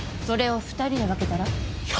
「それを２人で分けたら？」